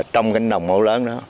trong cánh đồng mẫu lớn đó